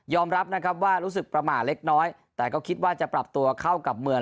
รับนะครับว่ารู้สึกประมาทเล็กน้อยแต่ก็คิดว่าจะปรับตัวเข้ากับเมือง